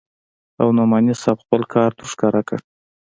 او نعماني صاحب خپل کارت ورښکاره کړ.